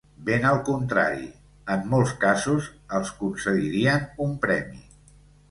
Ben al contrari: en molts casos, els concedirien un premi.